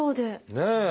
ねえ。